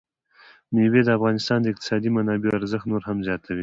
مېوې د افغانستان د اقتصادي منابعو ارزښت نور هم زیاتوي.